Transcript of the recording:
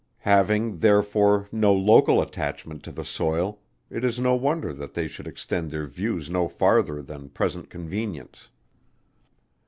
Having, therefore, no local attachment to the soil, it is no wonder that they should extend their views no farther than present convenience.